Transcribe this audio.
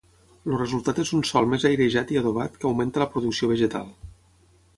El resultat és un sòl més airejat i adobat, que augmenta la producció vegetal.